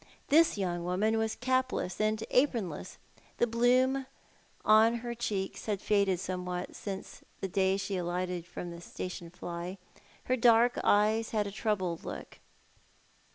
Tliis young woman was capless and apronless. The bloom on her cheeks had faded somewhat since the day she alighted from the station fly. Her dark eyes had a troubled look.